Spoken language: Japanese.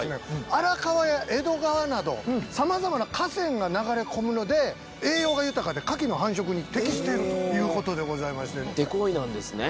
荒川や江戸川など様々な河川が流れ込むので栄養が豊かで牡蠣の繁殖に適しているということでございましてもってこいなんですね